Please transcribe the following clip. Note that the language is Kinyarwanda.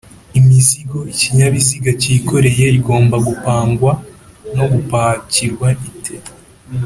imizigo ikinyabiziga cyikoreye igomba gupangwa no gupakirwa ite